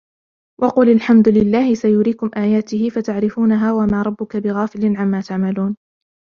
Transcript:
وقل الحمد لله سيريكم آياته فتعرفونها وما ربك بغافل عما تعملون